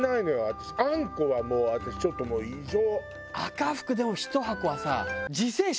私あんこはもうちょっと異常。